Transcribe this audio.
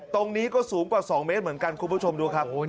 ตรงนี้ก็สูงกว่า๒เมตรเหมือนกันคุณผู้ชมดูครับ